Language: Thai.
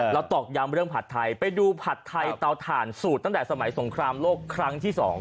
ตอกย้ำเรื่องผัดไทยไปดูผัดไทยเตาถ่านสูตรตั้งแต่สมัยสงครามโลกครั้งที่๒